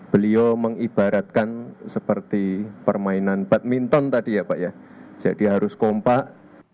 beliau mengibaratkan seperti permainan badminton tadi ya pak ya jadi harus kompak